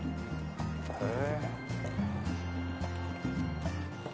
へえ。